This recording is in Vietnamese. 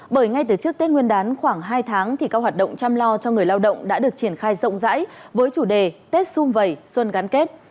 bởi ngay từ trước tết nguyên đán khoảng hai tháng thì các hoạt động chăm lo cho người lao động đã được triển khai rộng rãi với chủ đề tết xung vầy xuân gắn kết